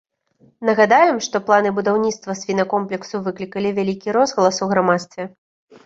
Нагадаем, што планы будаўніцтва свінакомплексу выклікалі вялікі розгалас у грамадстве.